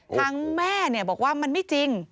ทางแม่เนี่ยบอกว่ามันไม่จริง